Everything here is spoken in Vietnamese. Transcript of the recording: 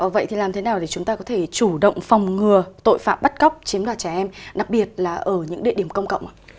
vậy thì làm thế nào để chúng ta có thể chủ động phòng ngừa tội phạm bắt cóc chiếm đoạt trẻ em đặc biệt là ở những địa điểm công cộng ạ